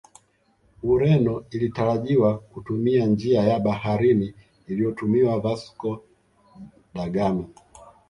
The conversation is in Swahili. Ureno ilitarajiwa kutumia njia ya baharini iliyotumiwa Vasco da Ghama